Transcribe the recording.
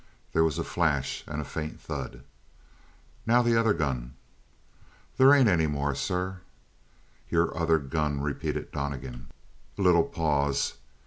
There was a flash and faint thud. "Now the other gun." "They ain't any more, sir." "Your other gun," repeated Donnegan. A little pause.